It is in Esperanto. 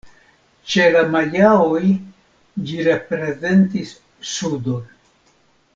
Ĉe la majaoj ĝi reprezentis sudon.